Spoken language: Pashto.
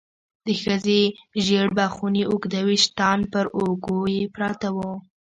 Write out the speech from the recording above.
د ښځې ژېړ بخوني اوږده ويښتان پر اوږو يې پراته وو.